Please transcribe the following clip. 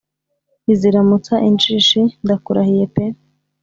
iziramutsa injishi ndakurahiye pe